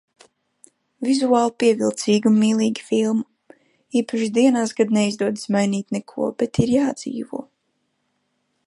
Vizuāli pievilcīga un mīlīga filma. Īpaši dienās, kad neizdodas mainīt neko, bet ir jādzīvo.